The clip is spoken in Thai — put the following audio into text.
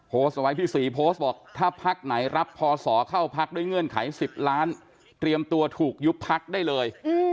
โพสต์ไว้พี่ศรีโพสต์บอกถ้าพักไหนรับพศเข้าพักด้วยเงื่อนไข๑๐ล้านเตรียมตัวถูกยุบพักได้เลย